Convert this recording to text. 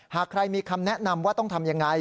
หากใครมีคำแนะนำว่าต้องทำยังไง